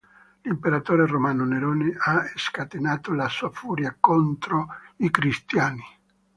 L'imperatore romano Nerone ha scatenato la sua furia contro i cristiani.